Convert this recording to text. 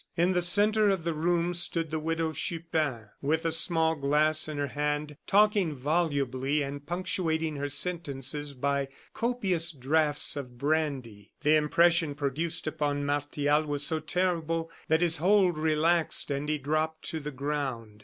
In the centre of the room stood the Widow Chupin, with a small glass in her hand, talking volubly and punctuating her sentences by copious draughts of brandy. The impression produced upon Martial was so terrible that his hold relaxed and he dropped to the ground.